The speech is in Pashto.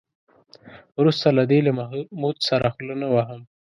وروسته له دې له محمود سره خوله نه وهم.